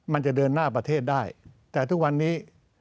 มันจะเดินหน้าประเทศได้แต่ทุกวันนี้